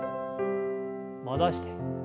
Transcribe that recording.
戻して。